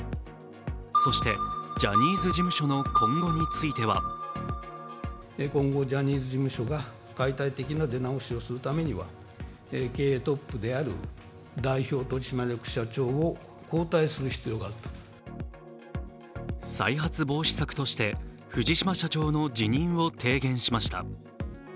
そして、ジャニーズ事務所の今後については再発防止策として藤島社長の辞任を提言しました。